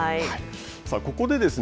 ここでですね